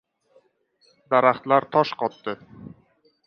Daraxtlar tosh qotdi.